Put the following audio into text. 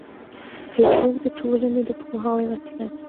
فېسبوک د ټولنې د پوهاوي وسیله ده